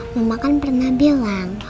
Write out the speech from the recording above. mama kan pernah bilang